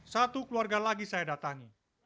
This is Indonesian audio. satu keluarga lagi saya datangi